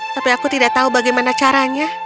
tapi aku tidak tahu bagaimana caranya